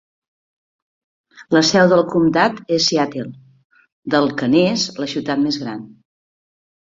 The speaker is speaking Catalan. La seu del comtat és Seattle, del que n'és la ciutat més gran.